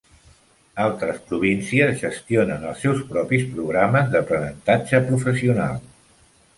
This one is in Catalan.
Altres províncies gestionen els seus propis programes d'aprenentatge professional.